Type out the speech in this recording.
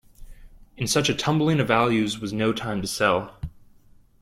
In such a tumbling of values was no time to sell.